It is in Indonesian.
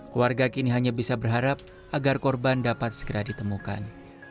keluarga kini hanya bisa berharap agar korban dapat segera ditemukan